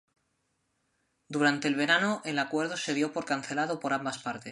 Durante el verano el acuerdo se dio por cancelado por ambas partes.